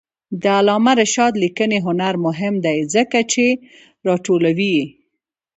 د علامه رشاد لیکنی هنر مهم دی ځکه چې راټولوي.